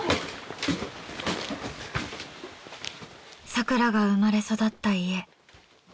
さくらが生まれ育った家。